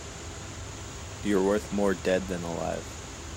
You're worth more dead than alive.